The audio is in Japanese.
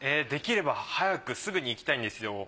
できれば早くすぐに行きたいんですよ。